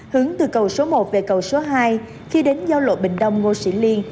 hướng từ cầu số một về cầu số hai khi đến giao lộ bình đông ngô sĩ liên